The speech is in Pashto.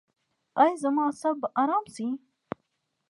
ایا زما اعصاب به ارام شي؟